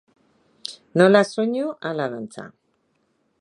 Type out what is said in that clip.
Nola soinu, hala dantza.